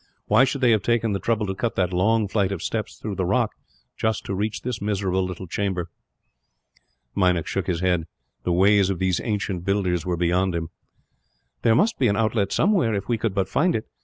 Why should they have taken the trouble to cut that long flight of steps through the rock, just to reach this miserable little chamber?" Meinik shook his head. The ways of these ancient builders were beyond him. "There must be an outlet somewhere, if we could but find it.